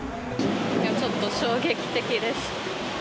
ちょっと衝撃的です。